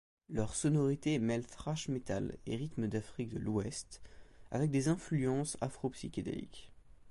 Leurs sonorités mêlent thrash metal et rythmes d’Afrique de l’Ouest avec des influences afro-psychédéliques.